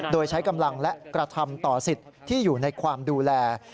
โดยใช้กำลังและกระทำต่อสิทธิ์ที่อยู่ในความดูแล